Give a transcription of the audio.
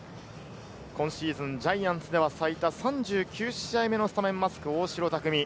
今シーズン、ジャイアンツでは最多３９試合目のスタメンマスク、大城卓三。